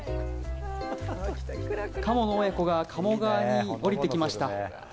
カモの親子が、鴨川におりてきました。